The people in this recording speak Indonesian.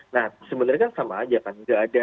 nah sebenarnya kan sama aja kan